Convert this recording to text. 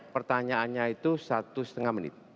pertanyaannya itu satu setengah menit